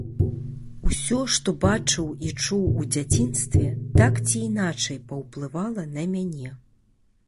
Усё, што бачыў і чуў у дзяцінстве, так ці іначай паўплывала на мяне.